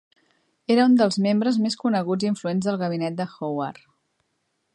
Era un dels membres més coneguts i influents del gabinet de Howard.